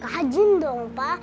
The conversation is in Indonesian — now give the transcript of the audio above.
rajin dong pa